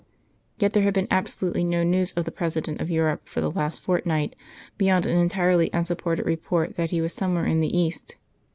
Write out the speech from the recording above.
Yet there had been absolutely no news of the President of Europe for the last fortnight, beyond an entirely unsupported report that he was somewhere in the East.